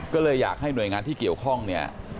ก็เลยอยากให้หน่วยงานที่เกี่ยวข้องเนี่ย